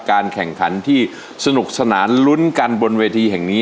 การแข่งขันที่สนุกสนานลุ้นกันบนเวทีแห่งนี้